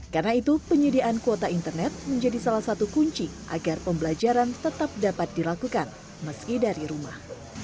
karena itu penyediaan kuota internet menjadi salah satu kunci agar pembelajaran tetap dapat dilakukan meski dari rumah